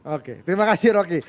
oke terima kasih rocky